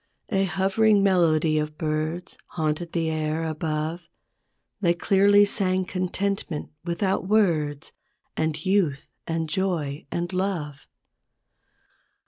IN THE WILLOW SHADE. I A hovering melody of birds Haunted the air above; They clearly sang contentment without words, And youth and joy and love.